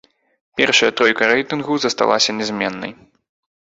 Першая тройка рэйтынгу засталася нязменнай.